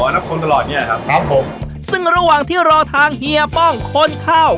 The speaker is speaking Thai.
นับคนตลอดเนี้ยครับครับผมซึ่งระหว่างที่รอทางเฮียป้องคนเข้า